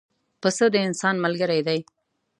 پسه د انسان ملګری دی.